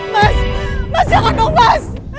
mas mas jangan dong mas